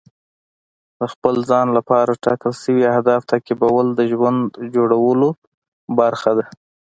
د خپل ځان لپاره ټاکل شوي اهداف تعقیبول د ژوند جوړولو برخه ده.